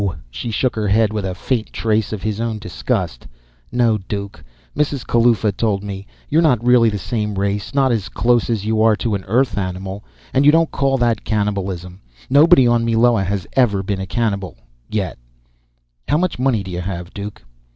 She shook her head with a faint trace of his own disgust. "No, Duke. Mrs. Kalaufa told me ... you're not really the same race Not as close as you are to an Earth animal, and you don't call that cannibalism. Nobody on Meloa has ever been a cannibal yet! How much money do you have, Duke?"